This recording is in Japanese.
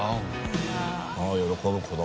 ああ喜ぶ子供。